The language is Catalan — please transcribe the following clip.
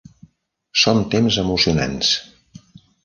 Són temps emocionants.